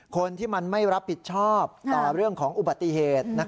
คนที่มันไม่รับผิดชอบต่อเรื่องของอุบัติเหตุ